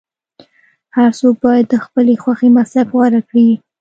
هر څوک باید د خپلې خوښې مسلک غوره کړي.